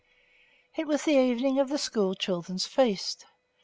It was the evening of the school children's 'Feast'.